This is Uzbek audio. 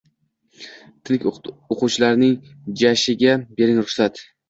Tink O'qituvcilarning jashaşiga Bering ruxsat!